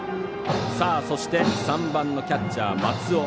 そして、３番キャッチャーの松尾。